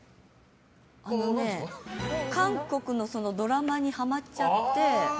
あのね韓国のドラマにハマっちゃって。